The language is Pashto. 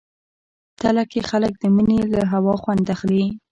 تله کې خلک د مني له هوا خوند اخلي.